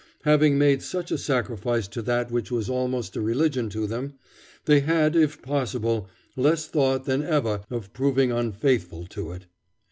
Having made such a sacrifice to that which was almost a religion to them, they had, if possible, less thought than ever of proving unfaithful to it.